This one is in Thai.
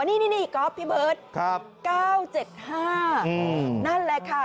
นี่ก๊อฟพี่เบิร์ต๙๗๕นั่นแหละค่ะ